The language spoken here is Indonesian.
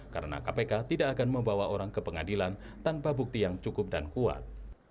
karena kpk tidak akan membawa orang ke pengadilan tanpa bukti yang cukup dan kuat